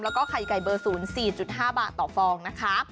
แล้วก็ไข่ไก่เบอร์๐๔๕บาทต่อฟองนะคะ